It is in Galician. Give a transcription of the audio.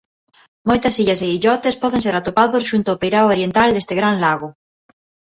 Moitas illas e illotes poden ser atopados xunto ao peirao oriental deste gran lago.